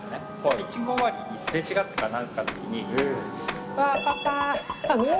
ピッチング終わりにすれ違ったかなんかのときに、パパ！